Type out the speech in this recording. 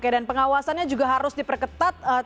dan pengawasannya juga harus diperketat